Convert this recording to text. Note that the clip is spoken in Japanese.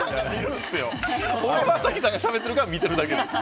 俺は早紀さんがしゃべってるから見てるだけです。